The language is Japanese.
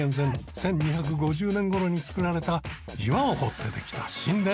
１２５０年頃に造られた岩を掘ってできた神殿。